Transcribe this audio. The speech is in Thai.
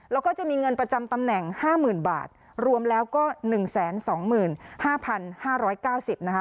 เราก็จะมีเงินประจำตำแหน่งห้าหมื่นบาทรวมแล้วก็หนึ่งแสนสองหมื่นห้าพันห้าร้อยเก้าสิบนะคะ